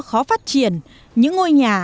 khó phát triển những ngôi nhà